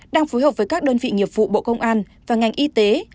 đang phối hợp với các đơn vị nghiệp vụ bộ công an và ngành y tế